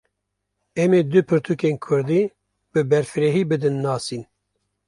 Em ê du pirtûkên Kurdî, bi berfirehî bidin nasîn